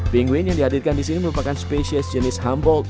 penguin yang dihadirkan di sini merupakan spesies jenis humboldt